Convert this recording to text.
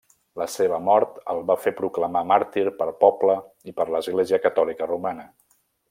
La seva mort el va fer proclamar màrtir pel poble i per l’Església Catòlica Romana.